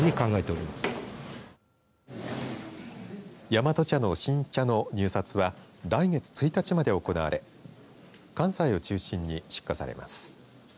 大和茶の新茶の入札は来月１日まで行われ関西を中心に出荷されます。